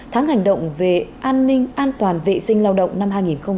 tháng hành động về an ninh an toàn vệ sinh lao động năm hai nghìn hai mươi bốn